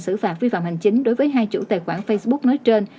xử phạt vi phạm hành chính đối với hai chủ tài khoản facebook nói trên